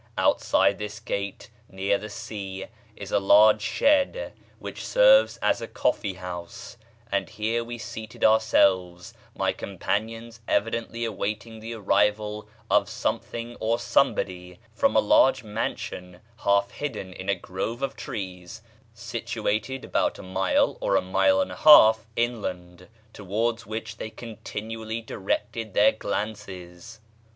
Outside this gate near the sea is a large shed which serves as a coffee house, and here we seated ourselves, my companions evidently awaiting the arrival of something or somebody from a large [page xxxvii] mansion half hidden in a grove of trees situated about a mile or a mile and a half inland, towards which they continually directed their glances.